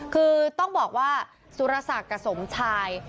คือต้องบอกว่าสุรศักดิ์กับสมชาย